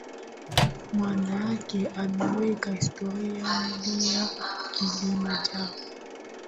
Mwanamke aweka historia Mlima Kilimanjaro